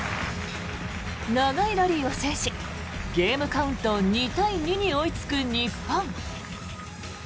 長いラリーを制しゲームカウント２対２に追いつく日本。